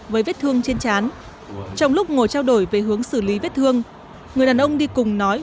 với vết thương trên chán trong lúc ngồi trao đổi về hướng xử lý vết thương người đàn ông đi cùng nói